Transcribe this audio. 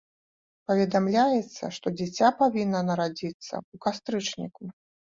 Паведамляецца, што дзіця павінна нарадзіцца ў кастрычніку.